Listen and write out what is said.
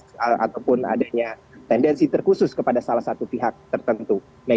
tidak ada tendensi terkhusus kepada salah satu pihak tertentu